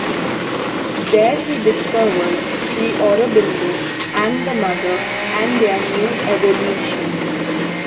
There he discovered Sri Aurobindo and The Mother and their "new evolution".